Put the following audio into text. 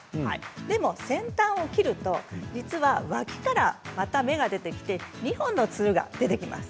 でも先端を切ると、実は、脇からまた芽が出てきて２本のつるが出てきます。